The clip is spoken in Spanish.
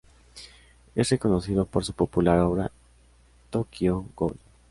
Es reconocido por su popular obra Tokyo Ghoul.